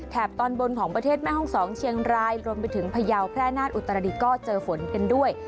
ตอนบนของประเทศแม่ห้องสองเชียงรายรวมไปถึงพยาวแพร่นาฏอุตรดิษฐก็เจอฝนกันด้วย